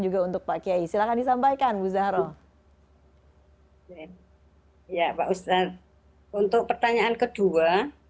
untuk pertanyaan kedua